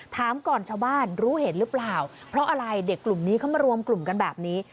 ถามก่อนชาวบ้านรู้เห็นหรือเปล่าเพราะอะไรเด็กกลุ่มนี้เขามารวมกลุ่มกันแบบนี้